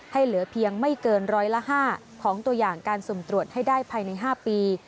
เหลือเพียงไม่เกินร้อยละ๕ของตัวอย่างการสุ่มตรวจให้ได้ภายใน๕ปี